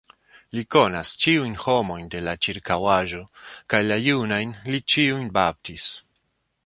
Li konas ĉiujn homojn de la ĉirkaŭaĵo kaj la junajn li ĉiujn baptis.